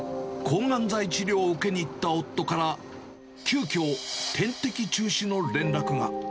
抗がん剤治療を受けにいった夫から、急きょ、点滴中止の連絡が。